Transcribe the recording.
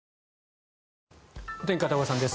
お天気、片岡さんです。